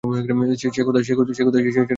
সে কোথায়, সেটা তো জানা উচিৎ তোমার।